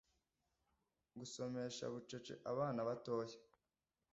Gusomesha bucece abana batoya